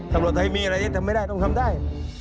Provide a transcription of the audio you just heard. ตำรวจไทยมีอะไรที่ทำไม่ได้ต้องทำได้